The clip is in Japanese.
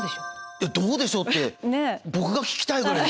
いやどうでしょうって僕が聞きたいぐらいですね。